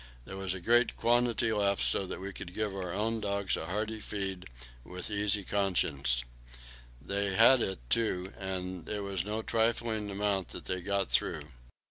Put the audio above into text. There was a great quantity left, so that we could give our own dogs a hearty feed with easy consciences. They had it, too, and it was no trifling amount that they got through.